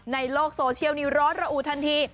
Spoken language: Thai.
ในโลกโซเชียลนี้ร้อนระอุทันที